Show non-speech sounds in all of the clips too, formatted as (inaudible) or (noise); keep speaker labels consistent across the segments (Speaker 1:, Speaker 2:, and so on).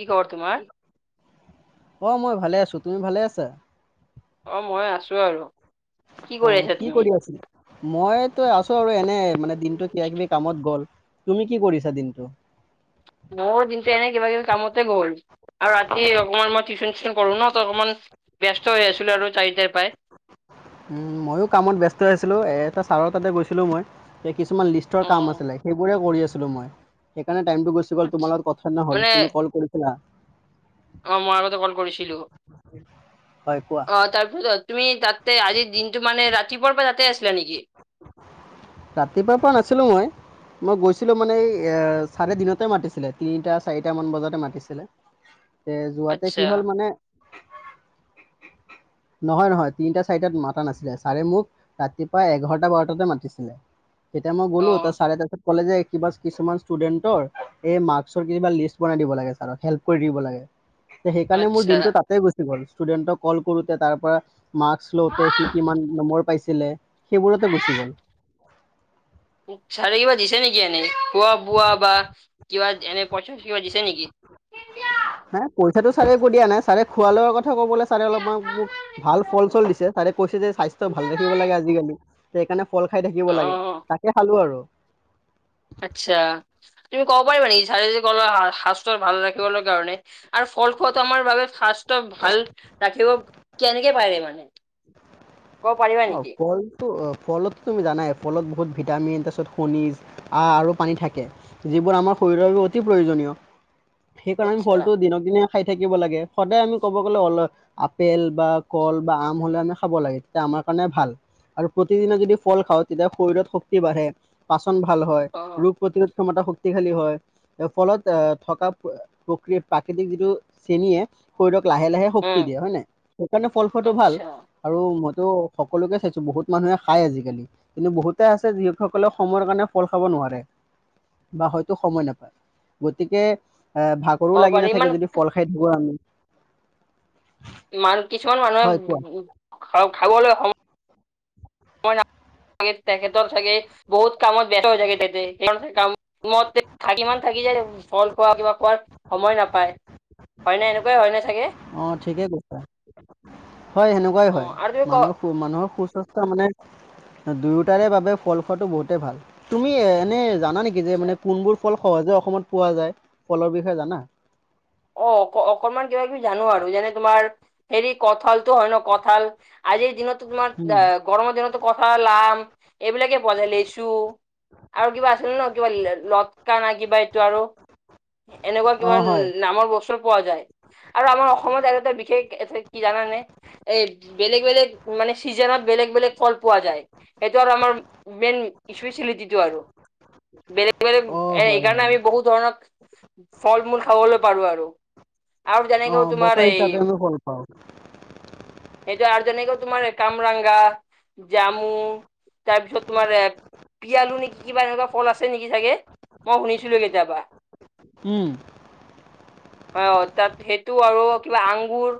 Speaker 1: কি খবৰ তোমাৰ?
Speaker 2: অ, মই ভালে আছো। তুমি ভালে আছা?
Speaker 1: অ, মই আছোঁ আৰু। কি
Speaker 2: অ,
Speaker 1: কৰি আছা
Speaker 2: কি
Speaker 1: তুমি?
Speaker 2: কৰি আছিলা? মইতো আছো আৰু এনে মানে দিনটো কিবা-কিবি কামত গ'ল, তুমি কি কৰিছা দিনটো?
Speaker 1: মোৰ দিনটো এনে কিবা কিবি কামতে গ'ল, আৰু ৰাতি অকমান মই টিউচন চিউচন কৰো ন ত অকণমান, ব্যস্ত হৈ আছিলো আৰু চাৰিটাৰ পৰাই।
Speaker 2: উম, মইও কামত ব্যস্ত আছিলো এ এটা ছাৰৰ তাতে গৈছিলো মই। এ কিছুমান লিষ্টৰ
Speaker 1: অ
Speaker 2: কাম আছিলে সেইবোৰে কৰি আছিলো মই, সেইকাৰণে টাইমটো গু ছি গ'ল।
Speaker 1: আচ্ছা
Speaker 2: তোমাৰ লগত কথা নহ'ল
Speaker 1: মানে
Speaker 2: তুমি কল কৰিছিলা।
Speaker 1: অ মই আগতে কল কৰিছিলো।
Speaker 2: হয় কোৱা
Speaker 1: অ তাৰপিছত তুমি তা, তে আজি দিনটো মানে ৰাতিপুৱাৰ পৰা তাতে আছিলা নেকি?
Speaker 2: ৰাতিপুৱাৰ পৰা নাছিলোঁ মই। মই গৈছিলোঁ মানে এই চাৰে দিনতে মাতিছিলে তিনিটা চাৰিটামান বজাতে মাতিছিলে।
Speaker 1: (inaudible)
Speaker 2: এ যোৱাতে
Speaker 1: আচ্ছা
Speaker 2: কি হল মানে, নহয় নহয় তিনিটা চাৰিটাত মাতা নাছিলে, ছাৰে মোক ৰাতিপুৱা এঘাৰটা বাৰটাতে মাতিছিলে। তেতিয়া মই
Speaker 1: অ
Speaker 2: গলো, (unintelligible) তাৰপিছত কলে যে কিবা কিছুমান ষ্টুডেন্টৰ এই মাৰ্কচৰ কিবা লিষ্ট বনাই দিব লাগে ছাৰক, হেল্প কৰি দিব লাগে। সেইকাৰণে মোৰ
Speaker 1: আচ্ছা।
Speaker 2: দিনটো তাতেই গুচি গ'ল ষ্টুডেন্টক কল কৰোতে। তাৰ পৰা মা শ্ল'তে সি কিমান নম্বৰ পাইছিলে, সেইবোৰতে গুচি গ'ল।
Speaker 1: ছাৰে কিবা দিছে নেকি, এনে খোৱা-বোৱা বা কিবা এনে পঁইচা চইচা কিবা দিছে নেকি?
Speaker 2: হে পইচাটো ছাৰে একো দিয়া নাই, ছাৰে খোৱা লোৱাৰ কথা ক'বলে ছাৰে অলপমান মোক ভাল ফল চল দিছে, ছাৰে কৈছে যে স্বাস্থ্য ভাল ৰাখিব লাগে আজিকালি। সেইকাৰণে ফল খাই থাকিব লাগে
Speaker 1: অ
Speaker 2: তাকে খালো আৰু।
Speaker 1: আচ্ছা তুমি ক'ব পাৰিবা নেকি ছাৰে যে কল স্বাস্থ্য ভাল ৰাখিবলে কাৰণে আৰু ফল খোৱাতো আমাৰ বাবে স্বাস্থ্য ভাল ৰাখিব কেনেকে পাৰে মানে? ক'ব পাৰিবা
Speaker 2: অ'
Speaker 1: নেকি?
Speaker 2: কল ফলত তুমি জানাই ফলত বহুত ভিটামিন তাৰপিছত খণিজ আৰু পানী থাকে। যিবোৰ আমাৰ শৰীৰৰ বাবে অতি প্ৰয়োজনীয়, সেইকাৰণে
Speaker 1: আচ্ছা
Speaker 2: ফলটো দিনক দিনে খাই থাকিব লাগে, সদায় আমি ক'ব গ'লে অল আপেল বা কল বা আম হ'লে আমি খাব লাগে। তে আমাৰ কাৰণে ভাল, আৰু প্ৰতিদিনে যদি ফল খাওঁ তেতিয়া শৰীৰত শক্তি বাঢ়ে। পাচন ভাল হয়,
Speaker 1: অ
Speaker 2: ৰোগ প্ৰতিৰোধ ক্ষমতা শক্তিশালী হয়। ফলত আহ' থকা প্ৰক্ৰিয় প্ৰাকৃতিক যিটো চেনীয়ে শৰীৰক লাহে লাহে শক্তি
Speaker 1: উম
Speaker 2: দিয়ে হয় নে? সেইকাৰণে ফল খোৱাটো ভাল।
Speaker 1: আচ্ছা
Speaker 2: আৰু তো সকলোকে চাইছো বহুত মানুহে খায় আজিকালি। কিন্তু বহুতে আছে যিসকলে সময়ৰ কাৰণে ফল খাব নোৱাৰে। বা হয়তো সময় নাপায়, গতিকে এ ভাগৰো
Speaker 1: হ'ব
Speaker 2: লাগি
Speaker 1: পাৰে
Speaker 2: নাথাকে
Speaker 1: ইমান
Speaker 2: যদি ফল খাই থাকো আমি।
Speaker 1: মান কিছুমান
Speaker 2: হয় কোৱা?
Speaker 1: মানুহে খাবলৈ সম তেখেতৰ চাগে বহুত কামত ব্যস্ত হৈ চাগে (unintelligible) (unintelligible) থাকি যায় ফল খোৱা কিবা খোৱাৰ সময় নাপায়। হয় নে? এনেকুৱাই হয় নে চাগে?
Speaker 2: ঠিকে কৈছা হয়, সেনেকুৱাই
Speaker 1: অ
Speaker 2: হয়।
Speaker 1: আৰু তুমি ক
Speaker 2: মানুহক মানুহৰ সুস্বাস্থ্য মানে দুয়োটাৰে বাবে ফল খোৱাটো বহুতেই ভাল। তুমি এনেই জানা নেকি? কি যে
Speaker 1: আচ্ছা
Speaker 2: মানে কোনবোৰ ফল সহজে অসমত পোৱা যায়, ফলৰ বিষয়ে জানা?
Speaker 1: অ' অ' অকমান কিবা-কিবি জানো আৰু, যেনে তোমাৰ হেৰি কঁঠালতো হয় ন কঁঠাল। আজিৰ দিনতো তোমাৰ
Speaker 2: উম।
Speaker 1: আহ' গৰমৰ দিনতো কঁঠাল, আম এইবিলাকে পোৱা যায়। লিচু, আৰু কিবা আছিল ন, কিবা লটকা না কিবা এইটো আৰু এনেকুৱা কিবা।
Speaker 2: অ' হয়।
Speaker 1: নামৰ বস্তু পোৱা যায়, আৰু আমাৰ অসমত আৰু এটা বিশেষ এ কি জানানে এ বেলেগ বেলেগ মানে চিজনত বেলেগ বেলেগ ফল পোৱা যায়, সেইটো আৰু আমাৰ মেইন স্পেচেলিটিটো আৰু। বেলেগ বেলেগ
Speaker 2: অ'
Speaker 1: এ
Speaker 2: হয়
Speaker 1: এইকাৰণে
Speaker 2: হয়।
Speaker 1: আমি বহুত ধৰণৰ ফল-মূল খাবলৈ পাৰো আৰু। আৰু
Speaker 2: অ'
Speaker 1: যেনেকৈ তোমাৰ
Speaker 2: বতৰ
Speaker 1: (unintelligible)
Speaker 2: হিচাপে আমি ফল পাওঁ।
Speaker 1: (unintelligible) জামু, তাৰপিছত তোমাৰ এ পি আলু নেকি কিবা এনেকুৱা ফল আছে নেকি চাগে মই শুনিছিলো কেতিয়াবা।
Speaker 2: উম।
Speaker 1: অ' অ' তাত সেইটো আৰু কিবা আংগুৰ।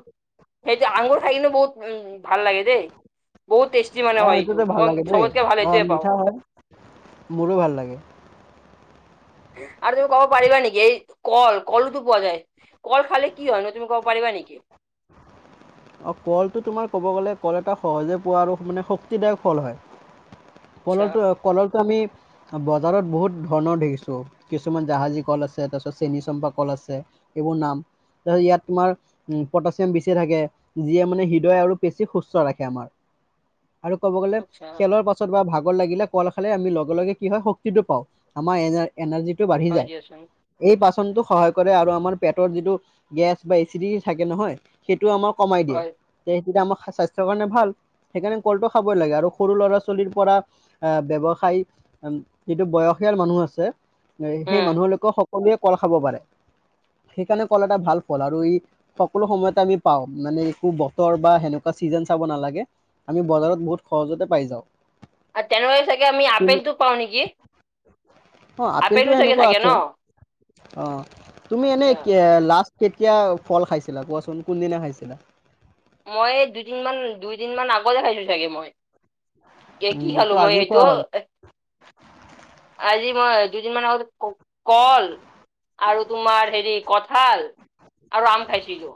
Speaker 1: সেইটো আঙুৰ খাই কিনো বহুত উম ভাল লাগে দেই। বহুত টেষ্টি মানে
Speaker 2: অ'
Speaker 1: হয়
Speaker 2: এইটোতো
Speaker 1: এইটো,
Speaker 2: ভাল
Speaker 1: মই
Speaker 2: লাগে দেই।
Speaker 1: চবতকে ভাল
Speaker 2: অ'
Speaker 1: এইটোৱে পাওঁ।
Speaker 2: মিঠা হয়, মোৰো ভাল লাগে।
Speaker 1: আৰু তুমি ক'ব পাৰিবা নেকি, এই কল কলটো পোৱা যায়। কল খালে কি হয় নো তুমি কব পাৰিবা নেকি!
Speaker 2: অ, কলটো তোমাৰ ক'ব গ'লে, কল এটা সহজে পোৱা আৰু শক্তিদায়ক ফল হয়।
Speaker 1: আচ্ছা
Speaker 2: কলৰটো, কলৰটো আমি বজাৰত বহুত ধৰণৰ দেখিছোঁ, কিছুমান জাহাজী কল আছে, তাৰপিছত চেনি চম্পা কল আছে। এইবোৰ নাম তাৰিছত ইয়াত তোমাৰ উম, পটাছিয়াম বেছি থাকে। যিয়ে মানে হৃদয় আৰু বেছি সুস্থ ৰাখে আমাৰ, আৰু ক'ব গ'লে
Speaker 1: আচ্ছা
Speaker 2: খেলৰ পা ছত বা ভাগৰ লাগিলে, কল খালে আমি লগে-লগে কি হয়, শক্তি টো পাওঁ। আমাৰ এনাজ এনাৰ্জিটো বাঢ়ি
Speaker 1: হয়
Speaker 2: যায়।
Speaker 1: দিয়াচোন
Speaker 2: এই পাচনতো সহায় কৰে আৰু আমাৰ পেটৰ যিটো গেছ বা এচিডিটি থাকে নহয় সেইটো আমাৰ কমাই দিয়ে।
Speaker 1: হয়
Speaker 2: সেইটো আমাৰ স্বাস্থ্যৰ কাৰণে ভাল। সেইকাৰণে কলটো খাবই লাগে, আৰু সৰু ল'ৰা-ছোৱালীৰ পৰা আহ ব্যৱসায় যিটো বয়সীয়াল মানুহ আছে, সেই
Speaker 1: উম।
Speaker 2: মানুহ লোকৰ সক কলোৱেই কল খাব পাৰে। সেইকাৰণে কল এটা ভাল ফল আৰু ই সকলো সময়তে আমি পাওঁ। মানে একো বতৰ বা সেনেকুৱা চিজন চাব নালাগে, আমি বজাৰত বহুত সহজতে পাই যাওঁ।
Speaker 1: আৰু তেনেহ'লে চাগে আমি
Speaker 2: তুমি-
Speaker 1: আপেলটো পাওঁ নেকি!
Speaker 2: অ, আপেলটো
Speaker 1: আপেলো চাগে
Speaker 2: এনেকুৱা
Speaker 1: থাকে ন?
Speaker 2: আছে, অ, তুমি এনে
Speaker 1: আচ্ছা।
Speaker 2: লাষ্ট কেতিয়া ফল খাইছিলা কোৱাচোন, কোনদিনা খাইছিলা?
Speaker 1: মই দুইদিনমান-দুইদিনমান আগতে খাইছো চাগে মই! এই
Speaker 2: উম,
Speaker 1: কি খালো
Speaker 2: মোৰতো
Speaker 1: মই
Speaker 2: আজিয়ে
Speaker 1: হেইটো
Speaker 2: খোৱা হ'ল।
Speaker 1: আজি মই দুদিন মান আগত কল আৰু তোমাৰ হেৰি কঠাল আৰু আম খাইছিলো।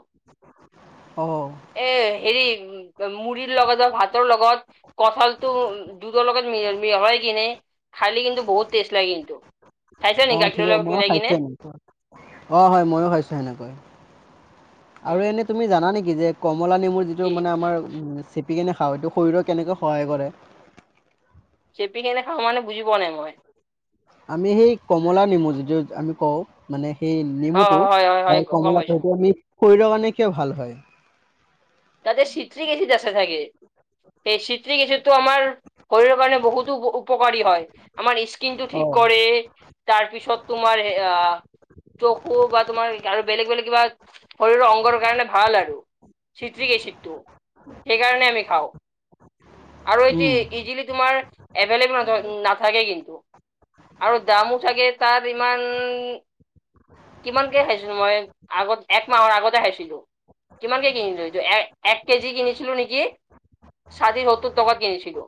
Speaker 2: অঁ।
Speaker 1: এ, হেৰি মুড়িৰ লগত বা ভাতৰ লগত কঠালতটো দুধৰ লগত মিহ মিহলাই দি কিনে খালি কিন্তু বহুত টেষ্ট লাগে কিন্তু। খাইছা
Speaker 2: অ,
Speaker 1: নেকি গাখীৰৰ
Speaker 2: ঠিকে,
Speaker 1: লগত
Speaker 2: ময়ো
Speaker 1: মিলাই কিনে
Speaker 2: খাইছো। অ, হয়, ময়ো খাইছো এনেকৈ। আৰু
Speaker 1: উম,
Speaker 2: এনেই তুমি জানা নেকি যে, কমলা নেমুৰ যিটো
Speaker 1: কি
Speaker 2: মানে আমাৰ উম চেপিকেনে খাওঁ, এইটো শৰীৰৰ কেনেকৈ সহায় কৰে?
Speaker 1: চেপি কেনে খাও মানে, বুজি পোৱা নাই মই!
Speaker 2: আমি সেই কমলা নেমু যিদিটো আমি কওঁ মানে সেই
Speaker 1: অ
Speaker 2: নেমুটো
Speaker 1: হয় হয়
Speaker 2: বা
Speaker 1: হয়
Speaker 2: এই
Speaker 1: গম
Speaker 2: কমলাটো
Speaker 1: পাইছো
Speaker 2: সেইটো আমি শৰীৰৰ কাৰণে কিয় ভাল হয়?
Speaker 1: তাতে চিত্ৰি এছিড আছে ছাগে! সেই চিত্ৰি এছিড টো আমাৰ শৰীৰৰ কাৰণে বহুতো উপকাৰী হয়, আমাৰ স্কিন টো ঠিক
Speaker 2: অ',
Speaker 1: কৰে। তাৰ পিছত তোমাৰ এয়া চকু বা তোমাৰ আৰু বেলেগ-বেলেগ শৰীৰৰ অংগৰ কাৰণে ভাল আৰু। চিট্ৰি এচিডটো, সেইকাৰণে আমি খাওঁ। আৰু
Speaker 2: উম।
Speaker 1: এই (unintelligible) তোমাৰ এভেললেবোল নাথাকে, নাথাকে কিন্তু। আৰু দামো চাগে তাত ইমান কিমানকে খাইছিলো, মই আগত এক মাহৰ আগতে খাইছিলো, কিমানকে কিনিলোঁ? এক- এক কেজি কিনিছিলো নেকি! ষাঠি সত্তৰ টকাত কিনিছিলো,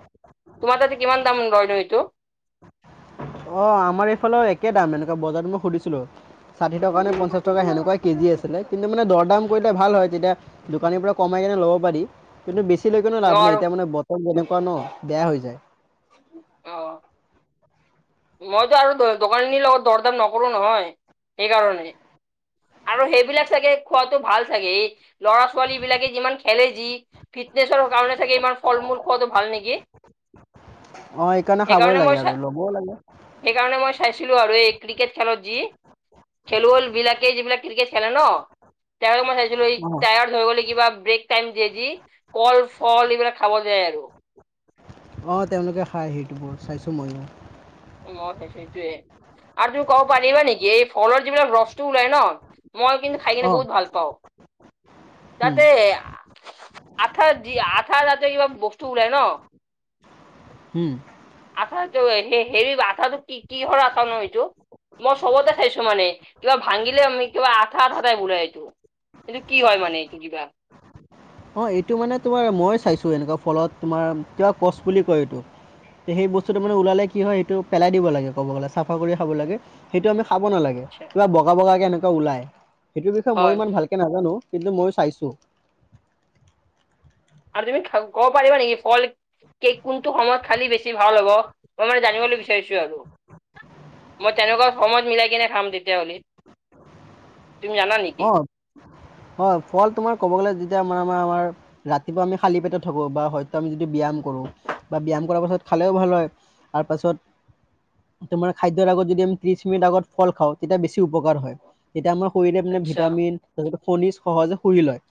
Speaker 1: তোমাৰ তাতে কিমান দাম লয় নো এইটো?
Speaker 2: অ', আমাৰ এইফালে একে দাম, এনেকুৱা বজাৰত মই সুধিছিলো। ষাঠি টকা নে পঞ্চাচ টকা হেনেকুৱাই কেজি আছিলে, কিন্তু মানে দৰ-দাম কৰিলে ভাল হয় তেতিয়া দোকানীৰ পৰা কমাই এনেই ল'ব পাৰি। কিন্তু বেছি লৈ কিনিও লাভ নাই
Speaker 1: নোৱাৰো
Speaker 2: এতিয়া মানে বতৰ যেনেকুৱা ন বেয়া হৈ যায়।
Speaker 1: অ'। মইতো আৰু দ দোকানখিনিৰ লগত দৰ দাম নকৰো নহয় সেইকাৰণে। আৰু সেইবিলাক চাগে খোৱাটো ভাল চাগে এই ল'ৰা - ছোৱালীবিলাকে কিমান খেলে যি। ফিটনেছৰ কাৰণে চাগে ইমান ফল মূল খোৱাটো ভাল নেকি?
Speaker 2: অ', সেইকাৰণে খাবই লাগে
Speaker 1: মই চা
Speaker 2: আৰু ল'বও লাগে।
Speaker 1: সেইকাৰণে মই চাইছিলো আৰু এই ক্ৰিকেট খেলত যি, খেলুৱৈবিলাকে যিবিলাক ক্ৰিকেট খেলে ন, তেওঁৱে মই চাইছিলো এই
Speaker 2: অঁ
Speaker 1: টায়াৰ হৈ গ'লে কিবা ব্ৰেক টাইম দিয়ে যি। কল - ফল এইবিলাক খাব যায় আৰু।
Speaker 2: অ', তেওঁলোকে খাই সেইটো বোৰ চাইছো মইও।
Speaker 1: উ মই সেইটো সেইটোয়ে আৰু তুমি কব পাৰিবা নেকি এই ফলৰ যিবিলাক ৰসটো ওলাই ন মই কিন্তু খাই কিনে
Speaker 2: অঁ
Speaker 1: বহুত ভাল পাওঁ
Speaker 2: হুম
Speaker 1: তাতে আঠা দি আঠা তাতে কিবা বস্তু ওলাই ন?
Speaker 2: উম।
Speaker 1: আঠাটো হে হেৰি আঠাটো কি কিহৰ আঠা নু এইটো? মই চবতে চাইছো মানে কিবা ভাঙিলে আমি কিবা আঠা সদায় উলায়টো। এইটো কি হয় মানে এইটো কিবা?
Speaker 2: অ', এইটো মানে তোমাৰ মই চাইছো এনেকুৱা ফলত তোমাৰ কিবা কচ বুলি কয় এইটো। তে সেই বস্তুটো মানে ওলালে কি হয় সেইটো পেলাই দিব লাগে ক'ব গ'লে চাফা কৰি খাব লাগে। সেইটো আমি খাব নালাগে,
Speaker 1: আচ্ছা,
Speaker 2: কিবা বগা বগাকে এনেকুৱা ওলায় সেইটোৰ বিষয়ে মইও
Speaker 1: হয়
Speaker 2: ইমান ভাল কে নাজানো কিন্তু মইও চাইছো।
Speaker 1: আৰু তুমি খ কব পাৰিবা নেকি ফল কে কোনটো সময়ত খালি বেছি ভাল হ'ব অ মই মানে জানিবলৈ বিচাৰিছো আৰু? মই তেনেকুৱা সময় মিলাই কিনে খাম তেতিয়াহ'লে, তুমি জানা নে?
Speaker 2: অ', অ' ফল তোমাৰ ক'ব গ'লে যেতিয়া মানে আমাৰ আমাৰ ৰাতিপুৱা আমি খালী পেটত থাকোঁ বা হয়তো আমি যদি ব্যায়াম কৰোঁ বা ব্যায়াম কৰাৰ পাছত খালেও ভাল হয়। তাৰপাছত তোমাৰ খাদ্যৰ আগত যদি আমি ত্ৰিশ মিনিট আগত ফল খাওঁ তেতিয়া বেছি উপকাৰ হয় তেতিয়া আমাৰ শৰীৰে নে
Speaker 1: আচ্ছা
Speaker 2: ভিটামিন, (unintelligible) খনিজ সহজে শুহি লয়।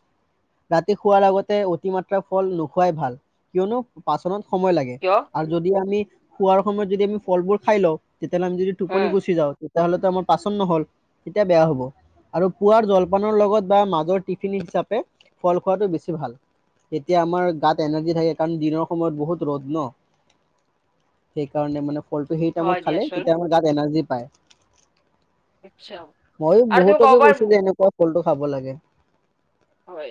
Speaker 2: ৰাতি শোৱাৰ আগতে অতিমাত্ৰা ফল নোখোৱাই ভাল কিয়নো পাচনত সময় লাগে
Speaker 1: কিয়
Speaker 2: আৰু যদি আমি খোৱাৰ সময়ত যদি আমি ফলবোৰ খাই লওঁ তেতিয়াহ'লে আমি যদি
Speaker 1: উম
Speaker 2: টোপনি গুচি যাওঁ, তেতিয়াহ'লেটো আমাৰ পাচন নহল তেতিয়া বেয়া হ'ব। আৰু পুৱাৰ জলপানৰ লগত বা মাজৰ টিফিন হিচাপে ফল খোৱাটো বেছি ভাল। তেতিয়া আমাৰ গাত এনাৰ্জি থাকে কাৰণ দিনৰ সময়ত বহুত ৰ'দ ন। সেইকাৰণে মানে ফলটো সেই
Speaker 1: হয়
Speaker 2: টাইমত খালে
Speaker 1: দিয়াচোন
Speaker 2: তেতিয়া আমাৰ গাত এনাৰ্জি পায়।
Speaker 1: (unintelligible) আৰু তুমি কব পাৰবো
Speaker 2: সেনেকুৱা ফলটো খাব লাগে।
Speaker 1: হয়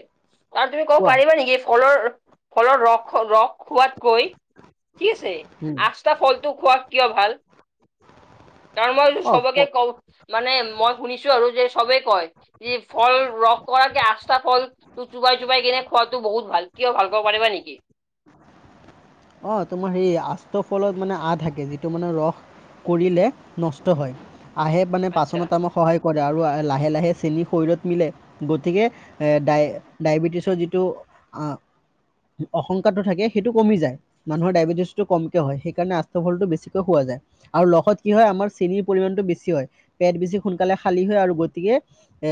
Speaker 1: আৰু তুমি ক'ব
Speaker 2: কোৱা
Speaker 1: পাৰিবা নেকি ফলৰ ফলৰ ৰস ৰস খোৱাতকৈ
Speaker 2: উম
Speaker 1: (unintelligible) আছ টা ফলটো খোৱাত কিয় ভাল? তাৰ মই
Speaker 2: অ ফ
Speaker 1: সবকে ক মানে মই শুনিছো আৰু যে সবেই কয় যে ফল ৰস কৰাকে আছ টা ফলটো চোবাই চোবাই কিনে খোৱাতো বহুত ভাল, কিয় ভাল কব পাৰিবা নেকি?
Speaker 2: অ তোমাৰ সেই আষ্ট ফলত মানে আ থাকে যিটো মানে ৰস কৰিলে নষ্ট হয়, আহে মানে
Speaker 1: আচ্ছা
Speaker 2: পাচনত আমাক সহায় কৰে আৰু আ লাহে - লাহে চেনি শৰীৰত মিলে। গতিকে ডাই ডাইবেটিছৰ যিটো আ অশংকাটো থাকে, সেইটো কমি যায়। মানুহৰ ডাইবেটিছটো কমকে হয়, সেইকাৰণে আষ্ট্ৰ ফলটো বেছিকৈ খোৱা যায়। আৰু লগত কি হয় আমাৰ চেনীৰ পৰিমণটো বেছি হয়, পেট বেছি সোনকালে খালী হয় আৰু গতিকে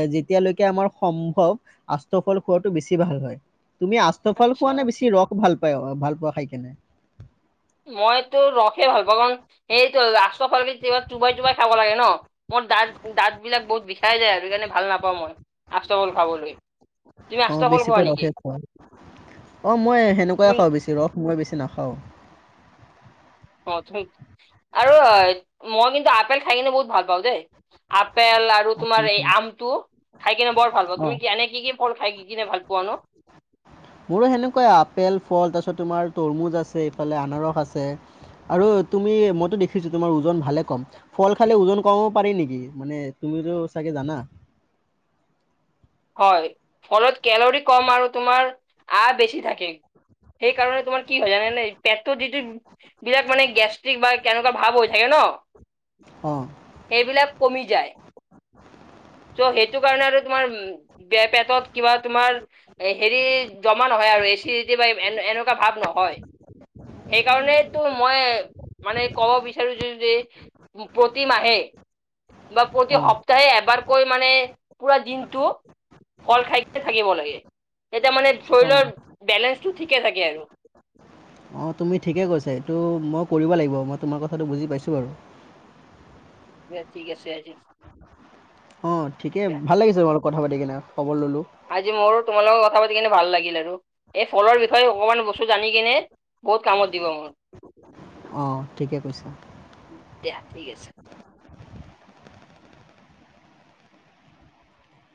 Speaker 2: এ যেতিয়ালৈকে আমাৰ সম্ভৱ আষ্ট্ৰফল খোৱাটো বেছি ভাল হয়, তুমি আ ষ্ট্ৰ ফল
Speaker 1: আচ্ছা
Speaker 2: খোৱা নে বেছি ৰস ভাল পায় ভাল পোৱা খাই কিনে?
Speaker 1: মইতো ৰসে ভাল পাওঁ কাৰণ সেইটো আষ্ট্ৰ ফলটো কিবা চোবাই চোবাই খাব লাগে ন। মোৰ দাঁত দাঁত বিলাক বহুত বিষাই যায় আৰু সেইকাৰণে ভাল নাপাওঁ মই আষ্ট্ৰ ফল খাবলৈ। তুমি
Speaker 2: অ
Speaker 1: আঠটা ফল খোৱা
Speaker 2: বেছিকৈ
Speaker 1: নেকি
Speaker 2: ৰসে খোৱা, অ মই
Speaker 1: তুমি
Speaker 2: সেনেকুৱাই খাওঁ বেছি ৰস মই বেছি নাখাওঁ।
Speaker 1: অ আৰু মই কিন্তু আপেল খাই কিনে বহুত ভাল পাওঁ দেই, আপেল আৰু তোমাৰ এই আমটো খাই কিনে বৰ ভাল পাওঁ,
Speaker 2: অ
Speaker 1: তুমি কি এনে কি কি ফল খাই কিনে ভাল পোৱা নো?
Speaker 2: মোৰো সেনেকুৱাই আপেল ফল, তাৰপিছত তোমাৰ তৰমুজ আছে, এইফালে আনাৰস আছে। আৰু তুমি মইতো দেখিছো তোমাৰ ওজন ভালে কম। ফল খালে ওজন কমাব পাৰি নেকি মানে তুমিতো চাগে জানা।
Speaker 1: হয়, ফলত কেলৰি কম আৰু তোমাৰ আ বেছি থাকে। সেই কাৰণে তোমাৰ কি হয় জানে নে পেটতো যিটো এইবিলাক মানে গেছট্ৰিক বা কেনেকুৱা ভাৱ হৈ থাকে ন।
Speaker 2: অ।
Speaker 1: সেইবিলাক কমি যায় চ' সেইটো কাৰণে আৰু তোমাৰ পে পেটত কিবা তোমাৰ এ হেৰি জমা নহয় আৰু এ চি দি টি বা এনেকুৱা ভাৱ নহয়। সেইকাৰণতো মই মানে কব বিচাৰিছো যদি প্ৰতি মাহে বা
Speaker 2: অ
Speaker 1: প্ৰতি সপ্তাহে এবাৰকৈ মানে পুৰা দিনটো ফল খাই কিনি থাকিব লাগে তেতিয়া মানে
Speaker 2: অ
Speaker 1: শৰীৰৰ বেলেঞ্চটো ঠিকে থাকে আৰু।
Speaker 2: অঁ তুমি ঠিকেই কৈছা, এইটো মই কৰিব লাগিব, মই তোমাৰ কথাটো বুজি পাইছো বাৰু।
Speaker 1: এ ঠিক আছে আজি
Speaker 2: ঠিকেই ভাল লাগিছে বাৰু কথা পাতি কিনে খবৰ ল'লো।
Speaker 1: আজি মোৰো তোমাৰ লগত কথা পাতি কিনে ভাল লাগিল আৰু এই ফলৰ বিষয়ে অকণমান বস্তু জানি কিনে বহুত কামত দিব মোৰ।
Speaker 2: অঁ ঠিকেই কৈছা।
Speaker 1: দিয়া ঠিক আছে।